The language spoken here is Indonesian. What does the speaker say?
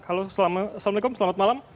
halo assalamualaikum selamat malam